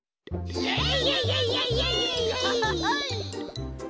イエイ！